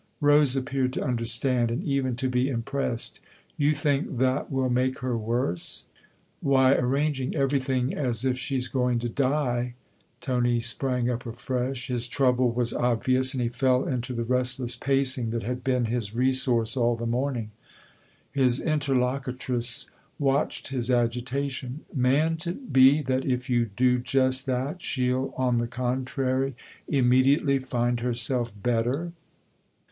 Rose appeared to understand and even to be impressed. "You think that will make her worse ?"" Why, arranging everything as if she's going to die !" Tony sprang up afresh ; his trouble was obvious and he fell into the restless pacing that had been his resource all the morning. His interlocutress watched his agitation. " Mayn't it be that if you do just that she'll, on the contrary, immediately find herself better